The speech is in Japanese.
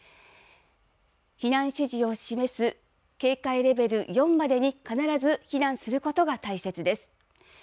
避難指示を示す警戒レベル４までに、必ず避難することが大切です。